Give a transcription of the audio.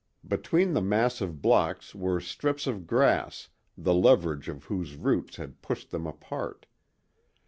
Between the massive blocks were strips of grass the leverage of whose roots had pushed them apart.